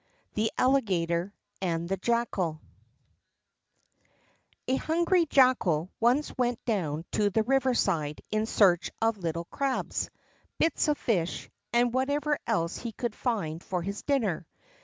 The Alligator and the Jackal A hungry Jackal once went down to the riverside in search of little crabs, bits of fish, and whatever else he could find for his dinner.